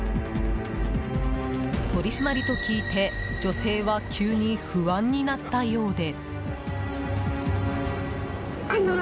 取り締まりと聞いて女性は急に不安になったようで。